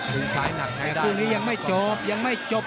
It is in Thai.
มีซ้ายหนักใช้ด้านกล้องสักแต่คู่นี้ยังไม่จบยังไม่จบ